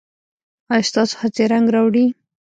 ایا ستاسو هڅې رنګ راوړي؟